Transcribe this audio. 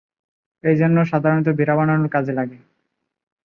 সাধারণত বেড়া বানানোর কাজে লাগে।